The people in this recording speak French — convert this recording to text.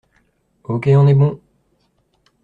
Ok, on est bon.